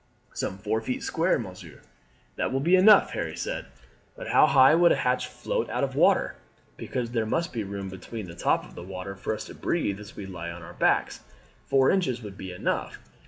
"Some four feet square, monsieur." "That will be enough," Harry said; "but how high would a hatch float out of water, because there must be room between the top of the water for us to breathe as we lie on our backs. Four inches would be enough.